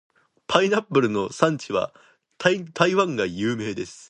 パイナップルの産地は台湾が有名です。